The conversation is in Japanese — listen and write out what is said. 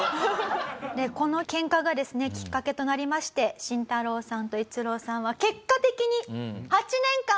このケンカがですねきっかけとなりましてシンタロウさんと逸郎さんは結果的に。